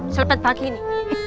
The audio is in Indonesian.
selepet pagi ini